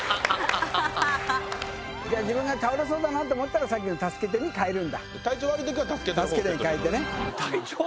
自分が倒れそうだなと思ったらさっきの「助けて」に替えるんだ。